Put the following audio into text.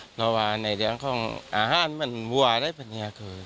เพราะว่าในเรื้องของอาหารมันวัวได้